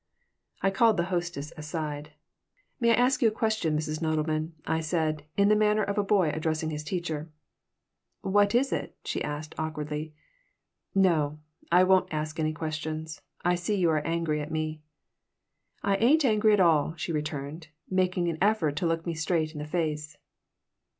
I called the hostess aside. "May I ask you a question, Mrs. Nodelman?" I said, in the manner of a boy addressing his teacher "What is it?" she asked, awkwardly. "No, I won't ask any questions. I see you are angry at me." "I ain't angry at all," she returned, making an effort to look me straight in the face.